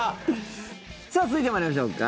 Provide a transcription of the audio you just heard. さあ続いて参りましょうか。